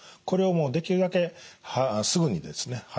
これをもうできるだけすぐにですね